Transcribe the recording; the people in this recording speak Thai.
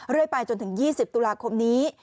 เรื่อยไปจนถึง๒๐ตุลาคมนี้